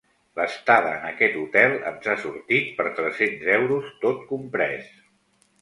L'estada en aquest hotel ens ha sortit per tres-cents euros, tot comprès.